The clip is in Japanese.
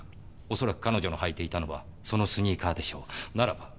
おそらく彼女の履いていたのはそのスニーカーでしょうならば。